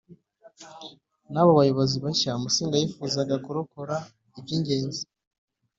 n abo bayobozi bashya Musinga yifuzaga kurokora iby ingenzi